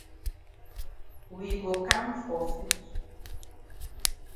We go kam for foot.